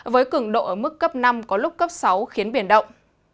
với cường độ ở mức cấp năm có lúc cấp sáu khiến biển động